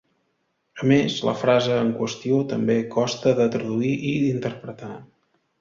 A més, la frase en qüestió també costa de traduir i d'interpretar.